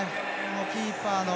キーパーの。